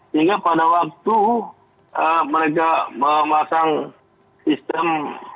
sehingga pada waktu mereka memasang sistem